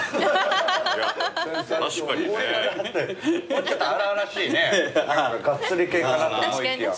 もうちょっと荒々しいねがっつり系かなと思いきや。